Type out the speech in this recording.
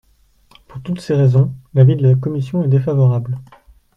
Pour toutes ces raisons, l’avis de la commission est défavorable.